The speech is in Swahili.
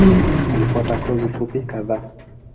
Alifuata kozi fupi kadhaa.